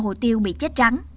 hồ tiêu bị chết trắng